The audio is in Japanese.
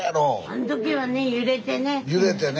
あん時はね揺れてね。